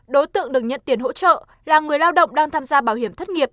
đối tượng được nhận tiền hỗ trợ là người lao động đang tham gia bảo hiểm thất nghiệp